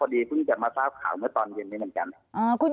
เพิ่งจะมาทราบข่าวเมื่อตอนเย็นนี้เหมือนกัน